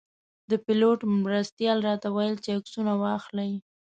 د پیلوټ مرستیال راته ویل چې عکسونه واخلئ.